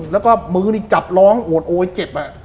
แล้วก็มือนี่จับร้องโอดโอยเจ็บ